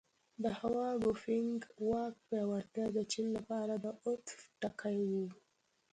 د هوا ګوفینګ واک پیاوړتیا د چین لپاره د عطف ټکی و.